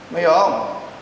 mày hiểu không